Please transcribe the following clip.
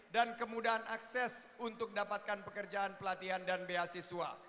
dan kemudahan akses untuk dapatkan pekerjaan pelatihan dan beasiswa